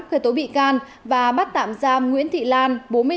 khởi tố bị can và bắt tạm giam nguyễn thị lan bốn mươi tám tuổi